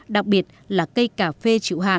đặc biệt là cây cà phê trựu hạt